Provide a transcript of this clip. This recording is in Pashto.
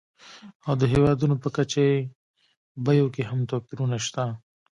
او د هېوادونو په کچه یې بیو کې هم توپیرونه شته.